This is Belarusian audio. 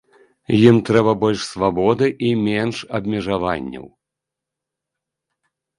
Ім трэба больш свабоды і менш абмежаванняў.